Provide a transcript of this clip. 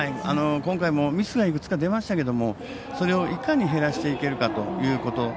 今回もミスがいくつか出ましたけどそれをいかに減らしていけるかということ。